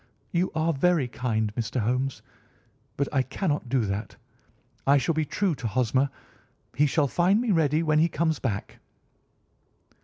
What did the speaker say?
"You are very kind, Mr. Holmes, but I cannot do that. I shall be true to Hosmer. He shall find me ready when he comes back."